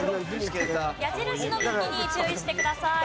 矢印の向きに注意してください。